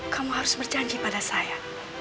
kamu harus berjanji pada saya